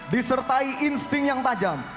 disertai insting yang tajam